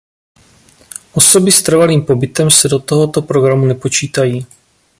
Osoby s trvalým pobytem se do tohoto programu nepočítají.